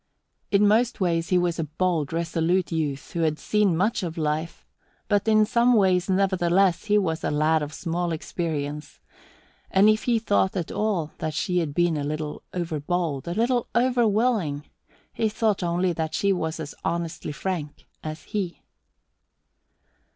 In most ways he was a bold, resolute youth who had seen much of life; but in some ways, nevertheless, he was a lad of small experience, and if he thought at all that she had been a little overbold, a little overwilling, he thought only that she was as honestly frank as he.